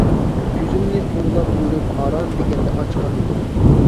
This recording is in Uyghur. كۆزۈمنى ئۇۋىلاپ يۈرۈپ ئاران دېگەندە ئاچقان ئىدىم.